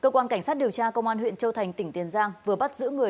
cơ quan cảnh sát điều tra công an huyện châu thành tỉnh tiền giang vừa bắt giữ người